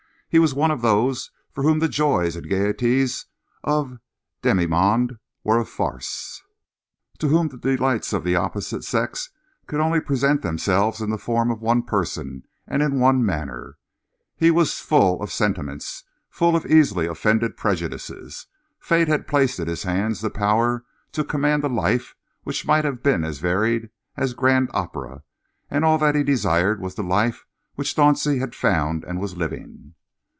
He was one of those for whom the joys and gaieties of the demimonde were a farce, to whom the delights of the opposite sex could only present themselves in the form of one person and in one manner. He was full of sentiments, full of easily offended prejudices. Fate had placed in his hands the power to command a life which might have been as varied as grand opera, and all that he desired was the life which Dauncey had found and was living.